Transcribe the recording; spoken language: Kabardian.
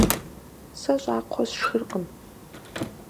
Сэ щӀакхъуэ сшхыркъым.